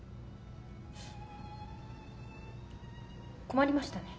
困りましたね。